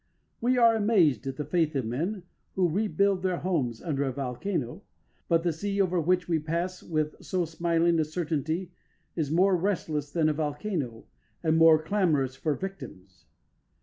We are amazed at the faith of men who rebuild their homes under a volcano, but the sea over which we pass with so smiling a certainty is more restless than a volcano and more clamorous for victims.